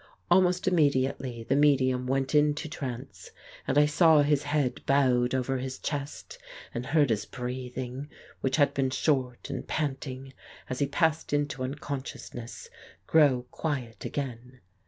Almost immediately the medium went into trance, and I saw his head bowed over his chest, and heard his breathing, which had been short and panting, as he passed into unconsciousness, grow quiet again.